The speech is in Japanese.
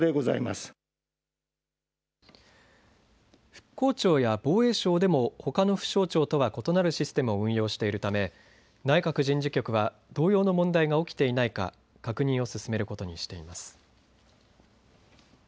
復興庁や防衛省でもほかの府省庁とは異なるシステムを運用しているため内閣人事局は同様の問題が起きていないか確認を進めることにしています。